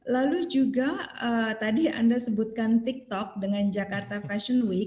lalu juga tadi anda sebutkan tiktok dengan jakarta fashion week